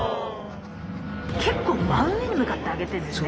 結構真上に向かって上げてんですね。